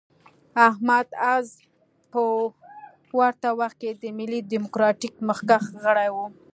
احمد عز په ورته وخت کې د ملي ډیموکراتیک مخکښ غړی و.